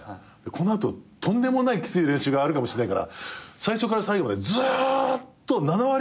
この後とんでもないきつい練習あるかもしれないから最初から最後までずーっと７割ぐらいの力でやるのよ。